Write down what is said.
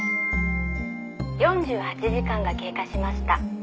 「４８時間が経過しました」